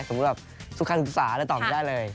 สมมุติแบบสุขศึกษาจะตอบไม่ได้เลย